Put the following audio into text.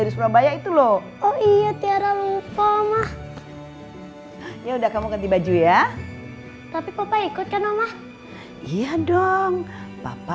sama teman om ah